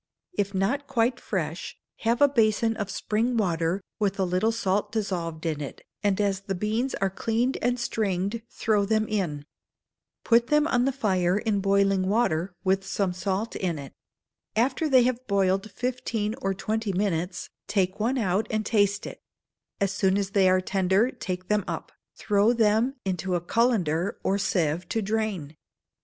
If not quite fresh, have a basin of spring water, with a little salt dissolved in it, and as the beans are cleaned and stringed throw them in; put them on the fire in boiling water, with some salt in it; after they have boiled fifteen or twenty minutes, take one out and taste it; as soon as they are tender take them up, throw them into a cullender or sieve to drain.